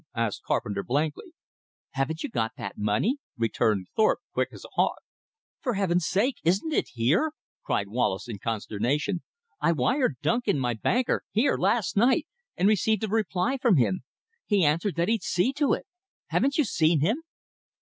asked Carpenter blankly. "Haven't you that money?" returned Thorpe quick as a hawk. "For Heaven's sake, isn't it here?" cried Wallace in consternation. "I wired Duncan, my banker, here last night, and received a reply from him. He answered that he'd see to it. Haven't you seen him?"